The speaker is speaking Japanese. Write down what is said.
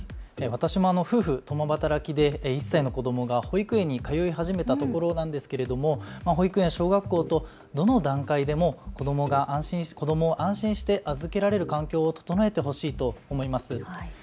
私も夫婦共働きで１歳の子どもが保育園に通い始めたところなんですけれど保育園、小学校とどの段階でも子どもを安心して預けられる環境を整えてほしいと思います。